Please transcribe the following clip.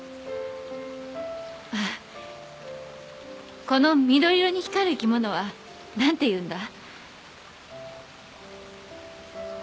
あっこの緑色に光る生き物は何ていうんだ？